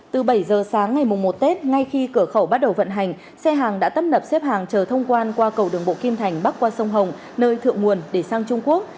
từ bảy giờ sáng ngày mùng một tết ngay khi cửa khẩu bắt đầu vận hành xe hàng đã tấp nập xếp hàng chờ thông quan qua cầu đường bộ kim thành bắc qua sông hồng nơi thượng nguồn để sang trung quốc